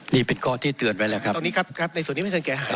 นี่เป็นข้อที่เตือนไว้แล้วครับตรงนี้ครับครับในส่วนนี้ไม่ทันแก่หาย